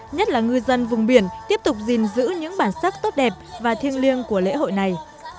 nhất là ngư dân vùng biển tiếp tục gìn giữ những bản sắc tốt đẹp và thiêng liêng của lễ hội này